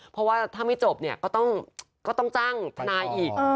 เพราะว่าถ้าไม่จบเนี่ยก็ต้องจ้างทนายอีก